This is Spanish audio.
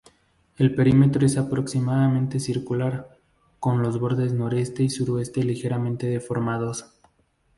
El perímetro es aproximadamente circular, con los bordes noreste y suroeste ligeramente deformados.